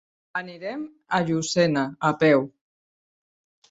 Anirem a Llucena a peu.